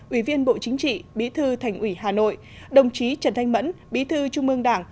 ủy viên bộ chính trị bí thư thành ủy hà nội đồng chí trần thanh mẫn bí thư trung ương đảng